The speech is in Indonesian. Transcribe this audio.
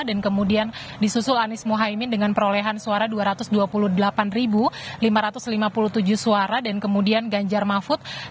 dan kemudian disusul anies muhaymin dengan perolehan suara dua ratus dua puluh delapan lima ratus lima puluh tujuh suara dan kemudian ganjar mahfud satu ratus delapan puluh enam tiga ratus